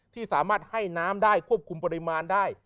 ที่สามารถให้น้ำได้ควบคุมปริมาณได้